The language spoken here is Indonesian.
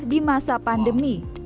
di masa pandemi